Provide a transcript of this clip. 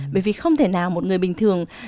bởi vì không thể nào một người bình thường